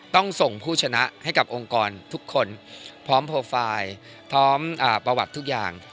ต้องส่งผู้ชนะให้กับองค์กรทุกคนพร้อมโปรไฟล์พร้อมประวัติทุกอย่าง